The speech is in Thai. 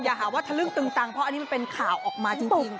อย่าหาว่าทะลึ่งตึงตังเพราะอันนี้มันเป็นข่าวออกมาจริง